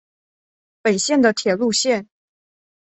本线的铁路线。